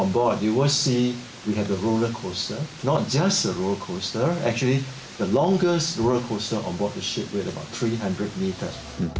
bukan hanya roller coaster sebenarnya roller coaster yang paling panjang di atas kapal adalah tiga ratus meter